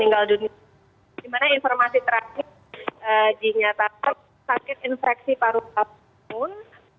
dia almarhum di mana informasi terakhir dinyatakan sakit infeksi parut apun